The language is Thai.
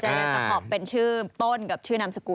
อยากจะขอบเป็นชื่อต้นกับชื่อนามสกุล